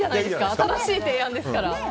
新しい提案ですから。